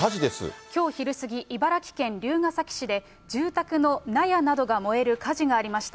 きょう昼過ぎ、茨城県龍ケ崎市で、住宅の納屋などが燃える火事がありました。